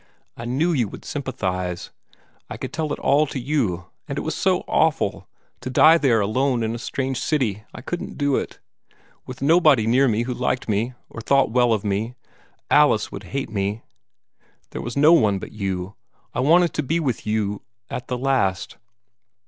"I knew you would sympathize; I could tell it all to you. And it was so awful, to die there alone in the strange city I couldn't do it with nobody near me who liked me, or thought well of me. Alice would hate me. There was no one but you. I wanted to be with you at the last."